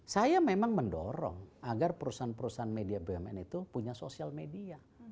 saya memang mendorong agar perusahaan perusahaan media bumn itu punya sosial media